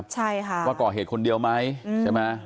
สบายใจ